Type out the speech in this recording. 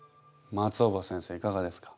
松尾葉先生いかがですか？